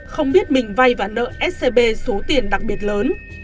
không biết mình vay và nợ scb số tiền đặc biệt lớn